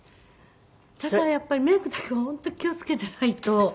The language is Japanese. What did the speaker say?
だからやっぱりメイクだけは本当気を付けていないと。